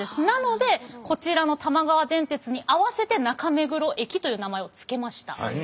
なのでこちらの玉川電鉄に合わせて中目黒駅という名前を付けました。